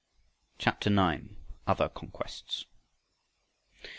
CHAPTER IX. OTHER CONQUESTS.